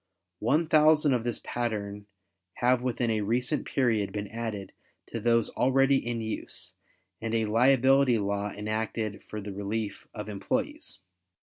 One thousand of this pattern have within a recent period been added to those already in use and a liability law enacted for the relief of employes.